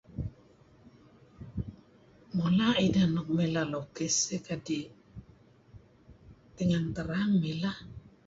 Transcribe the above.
Mula' ideh nuk mleh lukis kedtih. Abang Terang mileh.